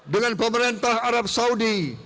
dengan pemerintah arab saudi